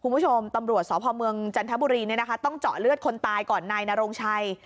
เพราะพอเมืองจันทบุรีต้องเจาะเลือดคนตายก่อนในนโรงชัย